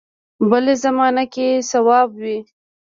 بل زمانه کې صواب وي.